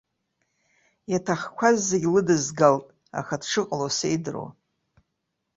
Иаҭахқәаз зегь лыдызгалт, аха дшыҟало сеидру!